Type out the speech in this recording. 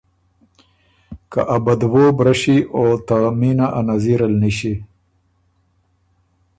که ا بدوو برݭی او ته مینه ا نظیرل نِݭی“